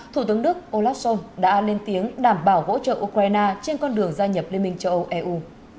thủ tướng đức olaf schol đã lên tiếng đảm bảo hỗ trợ ukraine trên con đường gia nhập liên minh châu âu eu